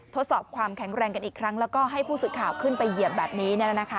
ทดสอบความแข็งแรงกันอีกครั้งแล้วก็ให้ผู้สื่อข่าวขึ้นไปเหยียบแบบนี้